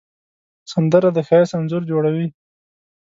سندره د ښایست انځور جوړوي